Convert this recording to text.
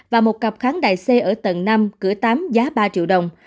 và một cặp kháng đại c ở tầng năm cửa tám giá ba triệu đồng